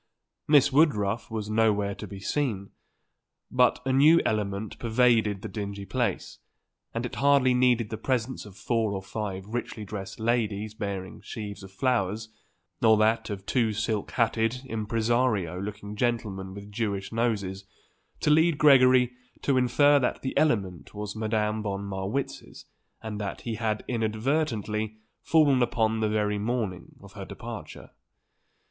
Miss Woodruff was nowhere to be seen, but a new element pervaded the dingy place, and it hardly needed the presence of four or five richly dressed ladies bearing sheaves of flowers, or that of two silk hatted impresario looking gentlemen with Jewish noses, to lead Gregory to infer that the element was Madame von Marwitz's, and that he had, inadvertently, fallen upon the very morning of her departure.